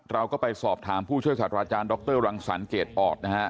เราก็ไปสอบถามผู้ช่วยศาสตราอาจารย์ดรรังสันเกดออร์ด